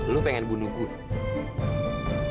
lu pengen bunuh gue